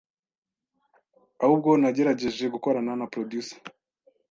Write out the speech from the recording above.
ahubwo nagerageje gukorana na Producer